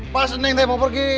pas neng teh mau pergi